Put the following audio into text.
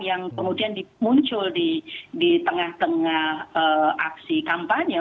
yang kemudian muncul di tengah tengah aksi kampanye